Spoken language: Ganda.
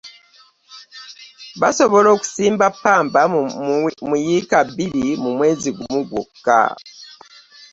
Basobola okusimba ppamba mu yiika bibiri mu mwezi gumu gwokka.